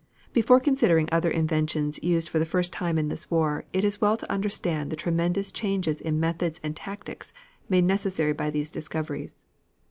Before considering other inventions used for the first time in this war, it is well to understand the tremendous changes in methods and tactics made necessary by these discoveries.